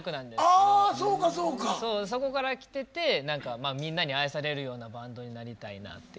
そこからきててみんなに愛されるようなバンドになりたいなっていう。